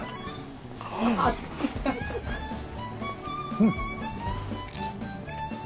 うん。